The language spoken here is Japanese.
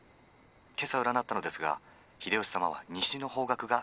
今朝占ったのですが秀吉様は西の方角が吉と出ています」。